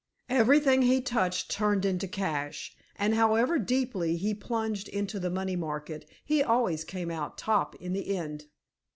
Everything he touched turned into cash, and however deeply he plunged into the money market, he always came out top in the end.